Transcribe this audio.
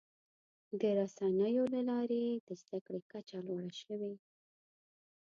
د رسنیو له لارې د زدهکړې کچه لوړه شوې.